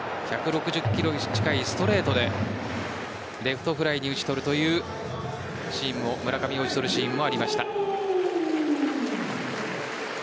１６０キロ近いストレートでレフトフライに打ち取るという村上を打ち取るシーンもありました。